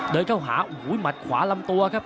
เดินเข้าหามัดขวาลำตัวครับ